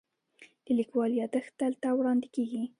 د لیکوال یادښت دلته وړاندې کیږي.